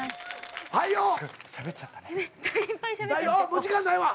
もう時間ないわ。